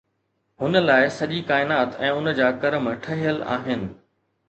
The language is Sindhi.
هن لاءِ سڄي ڪائنات ۽ ان جا ڪرم ٺهيل آهن